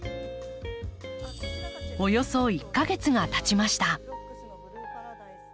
およそ１か月がたちました。